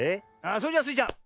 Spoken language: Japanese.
それじゃあスイちゃん